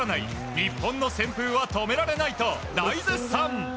日本の旋風は止められないと大絶賛。